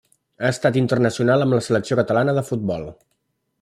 Ha estat internacional amb la selecció catalana de futbol.